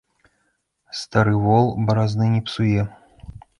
Стары вол баразны не псуе.